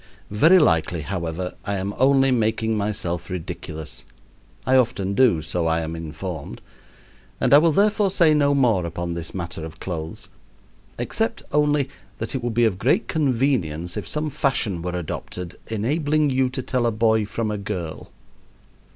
Very likely, however, I am only making myself ridiculous I often do, so I am informed and I will therefore say no more upon this matter of clothes, except only that it would be of great convenience if some fashion were adopted enabling you to tell a boy from a girl.